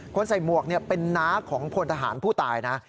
ใส่หมวกเป็นน้าของพลทหารผู้ตายนะ